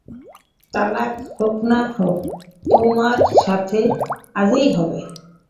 তালাক হোক বা না হোক, তোমার বিয়ে আজই হবে।